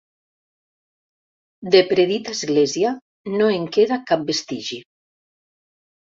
De predita església no en queda cap vestigi.